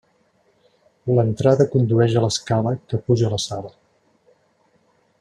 L'entrada condueix a l'escala que puja a la sala.